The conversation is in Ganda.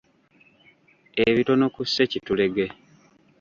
Ebitono ku ssekitulege.